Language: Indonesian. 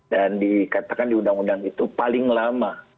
dan dikatakan di undang undang itu paling lama